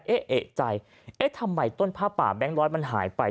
เอ๊ะเอกใจเอ๊ะทำไมต้นผ้าป่าแบงค์ร้อยมันหายไป